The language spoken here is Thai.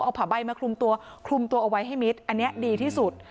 เอาผ่าใบมาคลุมตัวคลุมตัวเอาไว้ให้มิดอันนี้ดีที่สุด